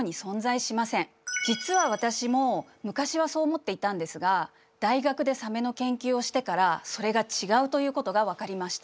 実は私も昔はそう思っていたんですが大学でサメの研究をしてからそれが違うということが分かりました。